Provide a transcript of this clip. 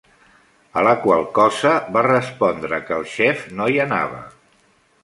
A la qual cosa va respondre que el xef no hi anava.